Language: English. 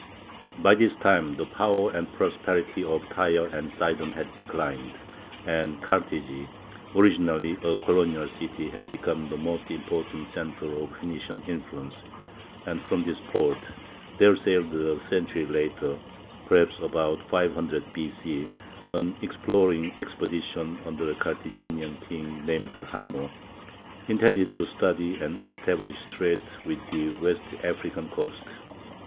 ] By this time the power and prosperity of Tyre and Sidon had declined, and Carthage, originally a colonial city, had become the most important center of Phenician influence; and from this port there sailed a century later (perhaps about 500 B. C.) an exploring expedition under a Carthaginian king named Hanno, intended to study and establish trade with the West African coast.